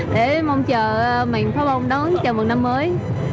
để mong chờ mạng pháo bông đón chào mừng năm mới hai nghìn hai mươi ba